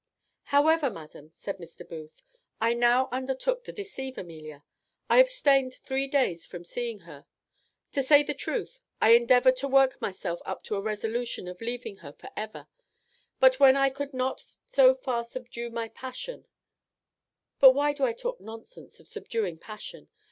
"However, madam," said Mr. Booth, "I now undertook to deceive Amelia. I abstained three days from seeing her; to say the truth, I endeavoured to work myself up to a resolution of leaving her for ever: but when I could not so far subdue my passion But why do I talk nonsense of subduing passion?